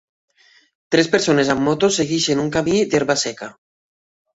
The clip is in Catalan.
Tres persones amb moto segueixen un camí d'herba seca.